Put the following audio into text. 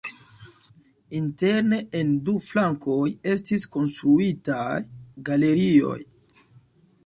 Interne en du flankoj estis konstruitaj galerioj.